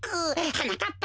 はなかっぱ！